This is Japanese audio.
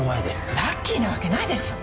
ラッキーなわけないでしょ！